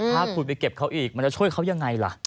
ถ้าคุณไปเก็บเขาอีกมันจะช่วยเขายังไงล่ะ